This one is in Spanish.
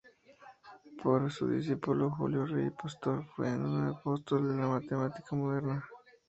Para su discípulo Julio Rey Pastor, fue un "apóstol de la matemática moderna".